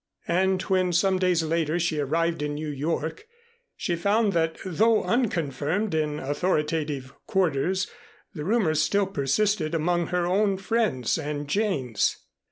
And when some days later she arrived in New York, she found that, though unconfirmed in authoritative quarters, the rumors still persisted among her own friends and Jane's.